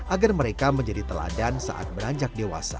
agar mereka menjadi teladan saat beranjak dewasa